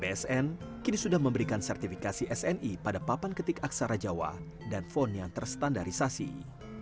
bsn kini sudah memberikan sertifikasi sni pada papan ketik aksara jawa dan font yang terstandarisasi